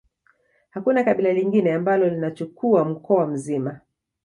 Hakuna kabila lingine ambalo linachukua mkoa mzima